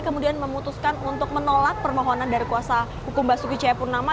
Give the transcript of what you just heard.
kemudian memutuskan untuk menolak permohonan dari kuasa hukum basuki cahayapurnama